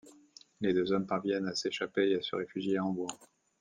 Les deux hommes parviennent à s'échapper et se réfugier à Hambourg.